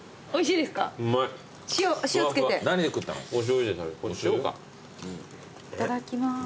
いただきます。